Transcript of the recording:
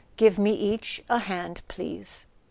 Give me each a hand, please."